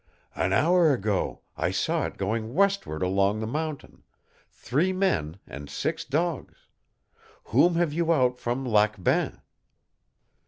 "An hour ago I saw it going westward along the mountain three men and six dogs. Whom have you out from Lac Bain?"